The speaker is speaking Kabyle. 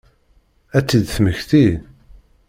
Ad tt-id-temmekti?